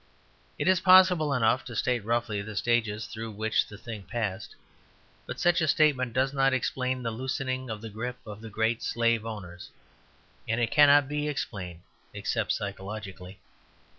It is possible enough to state roughly the stages through which the thing passed; but such a statement does not explain the loosening of the grip of the great slave owners; and it cannot be explained except psychologically.